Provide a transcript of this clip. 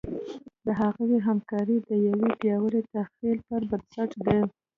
د هغوی همکاري د یوه پیاوړي تخیل پر بنسټ ده.